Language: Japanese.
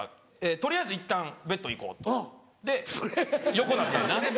取りあえずいったんベッド行こうで横になったんですよ。